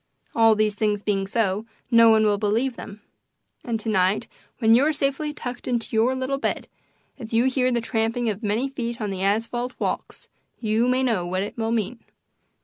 All these things being so, no one will believe them. And to night, when you are safely tucked into your little bed, if you hear the tramping of many feet on the asphalt walks you may know what it will mean.